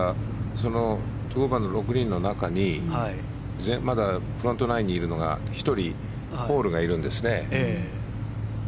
２オーバーの６人の中にまだフロントナインにいるのがホールがいるんですね。